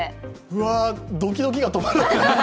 うわ、ドキドキが止まらない。